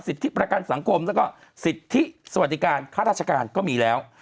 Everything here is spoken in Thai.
ที่ประกันสังคมแล้วก็สิทธิสวัสดิการค่าราชการก็มีแล้ว